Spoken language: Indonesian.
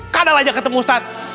kadal aja ketemu ustadz